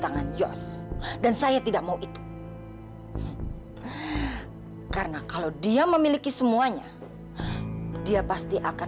tangan yos dan saya tidak mau itu karena kalau dia memiliki semuanya dia pasti akan